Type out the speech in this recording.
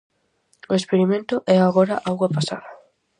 O experimento é agora auga pasada.